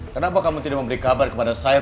kenapa kamu tidak mau beri kabar kepada saya